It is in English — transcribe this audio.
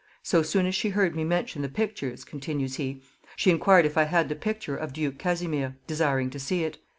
"So soon as she heard me mention the pictures," continues he, "she enquired if I had the picture of duke Casimir, desiring to see it.